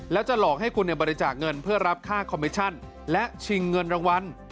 แล้วจะหลอกให้คุณบริจาคเงินเพื่อรับค่าคอมเมชั่นและชิงเงินรางวัล